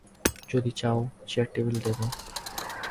যদি চাও চেয়ার- টেবিলে দেব।